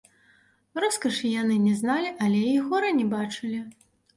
Роскашы яны не зналі, але й гора не бачылі.